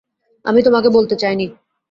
আমি তোমাকে বলতে চাইনি।